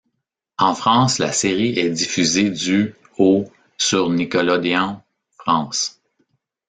En France, la série est diffusé du au sur Nickelodeon France.